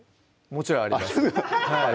もちろんあります